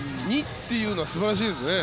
２というのは素晴らしいですね。